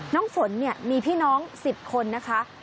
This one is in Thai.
น้องฝนมีพี่น้อง๑๐คนนะคะ